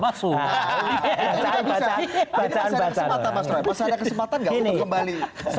mas roy masih ada kesempatan nggak untuk kembali